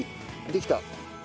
できた。